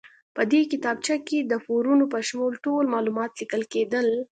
په دې کتابچه کې د پورونو په شمول ټول معلومات لیکل کېدل.